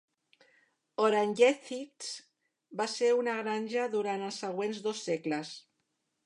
"Oranjezicht" va ser una granja durant els següents dos segles.